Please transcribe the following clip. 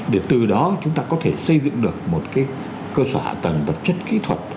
để từ đó chúng ta có thể xây dựng được một cơ sở hạ tầng vật chất kỹ thuật